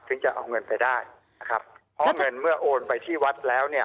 จะเอาเงินไปได้นะครับเพราะเงินเมื่อโอนไปที่วัดแล้วเนี่ย